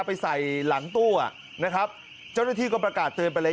ไปใส่หลังตู้อ่ะนะครับเจ้าหน้าที่ก็ประกาศเตือนไปเลย